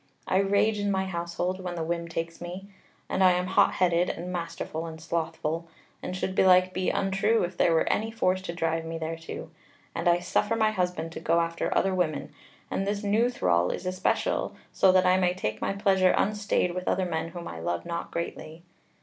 I rage in my household when the whim takes me, and I am hot headed, and masterful, and slothful, and should belike be untrue if there were any force to drive me thereto. And I suffer my husband to go after other women, and this new thrall is especial, so that I may take my pleasure unstayed with other men whom I love not greatly.